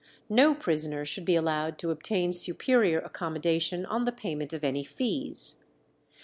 No prisoner should be allowed to obtain superior accommodation on the payment of any fees.